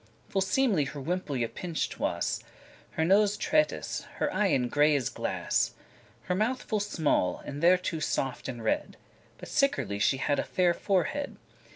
Full seemly her wimple y pinched was; Her nose tretis;* her eyen gray as glass;<13> *well formed Her mouth full small, and thereto soft and red; But sickerly she had a fair forehead.